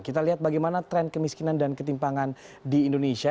kita lihat bagaimana tren kemiskinan dan ketimpangan di indonesia